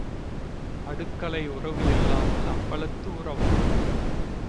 அடுக்களை உறவு இல்லாமல் அம்பலத்து உறவா?